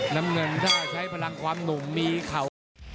น้ำเงินถ้าใช้พลังความหนุ่มมีเข่า